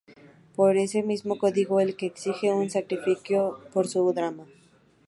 Pero es ese mismo código el que exige un sacrificio por su dama.